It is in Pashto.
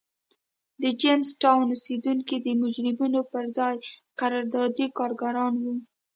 د جېمز ټاون اوسېدونکي د مجرمینو پر ځای قراردادي کارګران وو.